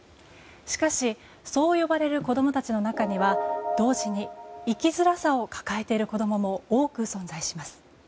しかしそう呼ばれる子供たちの中には同時に、生きづらさを抱えている子供も多く存在します。